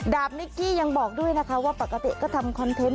นิกกี้ยังบอกด้วยนะคะว่าปกติก็ทำคอนเทนต์